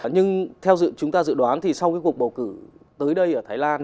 nhưng theo chúng ta dự đoán thì sau cái cuộc bầu cử tới đây ở thái lan